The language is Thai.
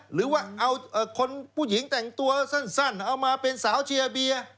หรือว่าเอาคนผู้หญิงแต่งตัวสั้นเอามาเป็นสาวเชียร์เบียร์